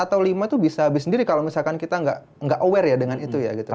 atau lima tuh bisa habis sendiri kalau misalkan kita nggak aware ya dengan itu ya gitu